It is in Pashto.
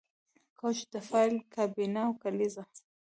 کوچ د فایل کابینه او کلیزه